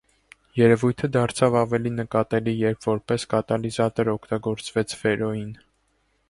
Երևույթը դարձավ էլ ավելի նկատելի, երբ որպես կատալիզատոր օգտագործվեց ֆերրոին։